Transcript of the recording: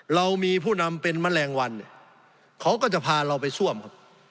เรามีผู้นำเป็นแมลงวันเนี่ยเขาก็จะพาเราไปซ่วมครับ